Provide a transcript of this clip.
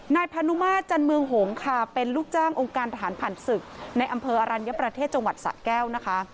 นายพานุมาตรจันเมืองหงค่ะเป็นลูกจ้างองค์การทหารผ่านศึกในอำเภออรัญญประเทศจังหวัดสะแก้วนะคะ